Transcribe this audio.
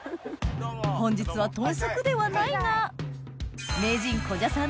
本日は豚足ではないが名人古謝さん